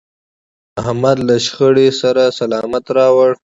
احمد له شخړې سر سلامت راوړ.